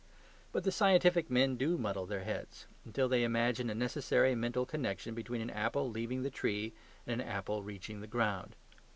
But the scientific men do muddle their heads, until they imagine a necessary mental connection between an apple leaving the tree and an apple reaching the ground.